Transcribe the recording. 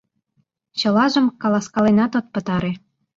Чылажым каласкаленат от пытаре.